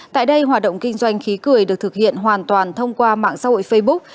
tại đây hoạt động kinh doanh khí cười được thực hiện hoàn toàn thông qua mạng xã hội facebook